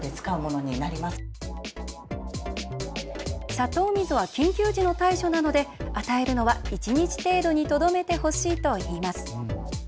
砂糖水は緊急時の対処なので与えるのは一日程度にとどめてほしいと言います。